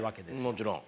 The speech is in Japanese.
もちろん。